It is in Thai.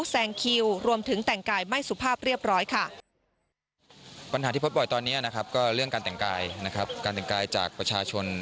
แสงคิวรวมถึงแต่งกายไม่สุภาพเรียบร้อยค่ะ